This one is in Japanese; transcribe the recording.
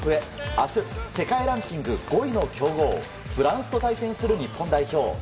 明日、世界ランキング５位の強豪フランスと対戦する日本代表。